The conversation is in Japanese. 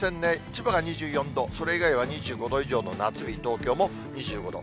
千葉が２４度、それ以外は２５度以上の夏日、東京も２５度。